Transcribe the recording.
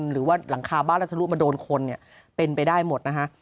หรือว่าหลังคาบ้านรัชรุมาโดนคนเนี่ยเป็นไปได้หมดนะฮะ